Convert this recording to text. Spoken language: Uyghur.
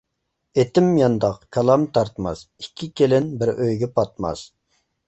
ئېتىم يانداق، كالام تارتماس، ئىككى كېلىن بىر ئۆيگە پاتماس.